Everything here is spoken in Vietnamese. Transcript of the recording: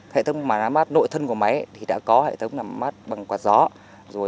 hệ thống làm mát nội thân của máy đã có hệ thống làm mát bằng quạt gió